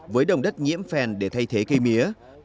với đồng đất nhiễm phèn để thay thế cây mía